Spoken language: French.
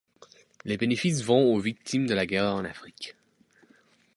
Les bénéfices vont aux victimes de la guerre en Afrique.